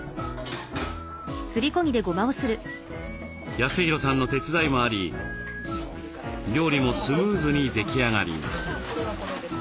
恭弘さんの手伝いもあり料理もスムーズに出来上がります。